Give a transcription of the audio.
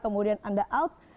kemudian anda out